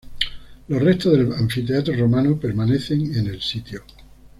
Los restos del anfiteatro romano permanecen en el sitio.